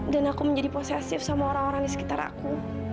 dan aku menjadi posesif sama orang orang di sekitar aku